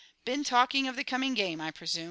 "Been talking of the coming game, I presume."